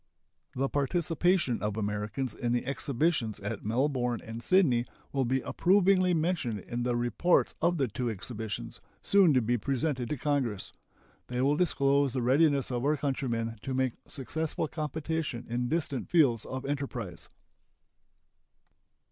The participation of Americans in the exhibitions at Melbourne and Sydney will be approvingly mentioned in the reports of the two exhibitions, soon to be presented to Congress. They will disclose the readiness of our countrymen to make successful competition in distant fields of enterprise.